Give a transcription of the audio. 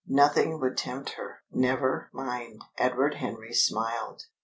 Nothing would tempt her." "Never mind!" Edward Henry smiled.